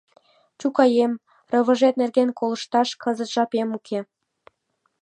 — Чукаем, Рывыжет нерген колышташ кызыт жапем уке!